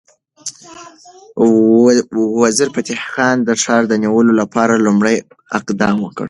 وزیرفتح خان د ښار د نیولو لپاره لومړی اقدام وکړ.